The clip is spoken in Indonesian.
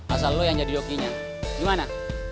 asal lo yang jadi yokinya gimana